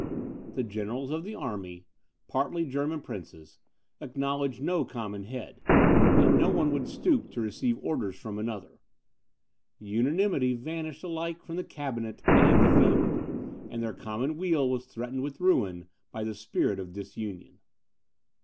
The generals of the army, partly German princes, acknowledged no common head, and no one would stoop to receive orders from another. Unanimity vanished alike from the cabinet and the field, and their common weal was threatened with ruin, by the spirit of disunion.